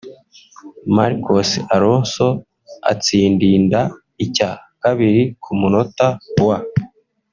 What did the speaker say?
Marcos Alonso atsindinda icya kabiri ku munota wa '